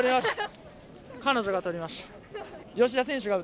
彼女が取りました。